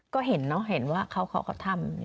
ก็เห็นเนอะเห็นว่าเขาทำ